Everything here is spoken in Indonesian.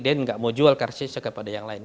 dan tidak mau jual karcisnya kepada yang lain